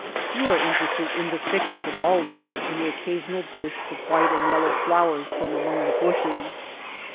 You are interested in the thickets of alders and the occasional bursts of white and yellow flowers from among the bushes.